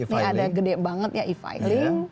ini ada gede banget ya e filing